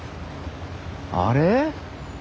あれ？